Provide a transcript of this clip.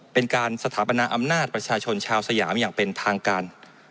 เป็นการสถาปนาอำนาจประชาชนชาวสยามอย่างเป็นทางการ